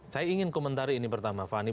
saya ingin komentari ini pertama fani